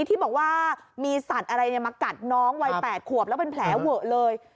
ที่บอกว่ามีสัตว์อะไรมากัดน้องวัย๘ขวบแล้วเป็นแผลเวอะเลย